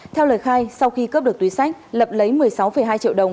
theo lời khai sau khi cướp được túi sách lập lấy một mươi sáu hai triệu đồng